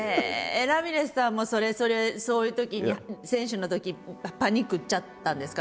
ラミレスさんもそれそういうときに選手のときパニクっちゃったんですか？